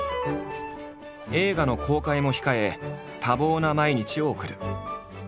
映画の公開も控え多忙な毎日を送る。